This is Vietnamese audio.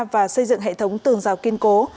và xây dựng hệ thống tường rào kinh tế